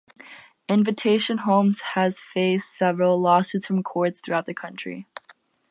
Invitation Homes has faced several lawsuits from courts throughout the country.